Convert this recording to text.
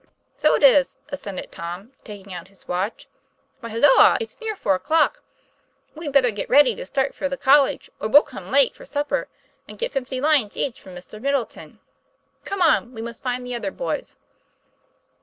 'So it is," assented Tom, taking out his watch. 'Why, halloa! it's near four o'clock. We'd better get ready to start for the college, or we'll come late for supper and get fifty lines each from Mr. Middle ton. Come on, we must find the other boys."